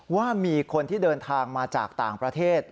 ว่ามีคนที่เดินทางมาจากต่างประเทศ